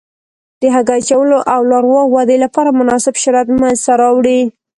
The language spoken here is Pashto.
د هګۍ اچولو او لاروا ودې لپاره مناسب شرایط منځته راوړي.